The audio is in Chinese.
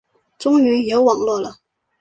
终于有网路了